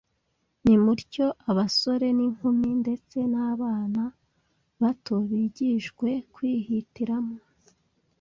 Nimutyo abasore n’inkumi ndetse n’abana bato bigishwe kwihitiramo